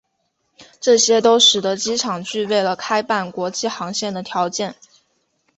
这些都使得机场具备了开办国际航线的条件。